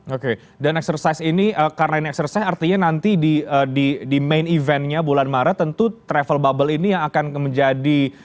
oke dan eksersis ini karena ini eksersis artinya nanti di main eventnya bulan maret tentu travel bubble ini yang akan menjadi